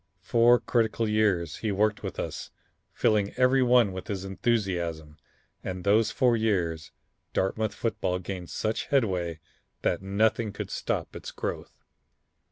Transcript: Four critical years he worked with us filling every one with his enthusiasm and those four years Dartmouth football gained such headway that nothing could stop its growth."